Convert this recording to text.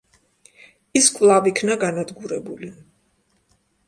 ის კვლავ იქნა განადგურებული.